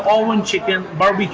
ini untuk ayam oven atau barbeque